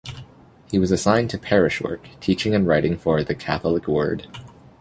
He was assigned to parish work, teaching and writing for the "Catholic Word".